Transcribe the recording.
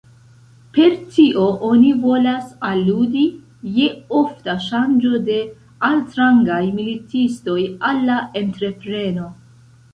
Per tio oni volas aludi je ofta ŝanĝo de altrangaj militistoj al la entrepreno.